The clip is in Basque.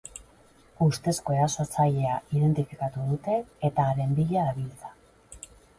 Ustezko erasotzailea identifikatu dute eta haren bila dabiltza.